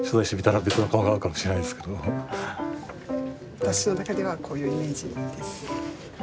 私の中ではこういうイメージです。